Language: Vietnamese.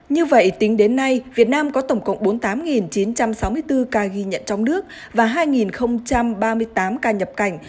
như vậy tính đến nay việt nam có tổng cộng bốn mươi tám chín trăm sáu mươi bốn ca ghi nhận trong nước và hai ba mươi tám ca nhập cảnh